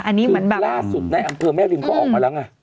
อันนี้เหมือนว่าคือล่าสุดแน่อำเภอแม่ลินก็ออกมาแล้วไง